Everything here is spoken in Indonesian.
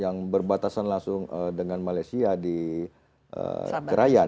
yang berbatasan langsung dengan malaysia di gerayan